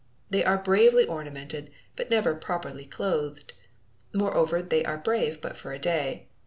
They are bravely ornamented, but never properly clothed. Moreover, they are brave but for a day.